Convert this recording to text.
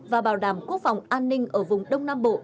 và bảo đảm quốc phòng an ninh ở vùng đông nam bộ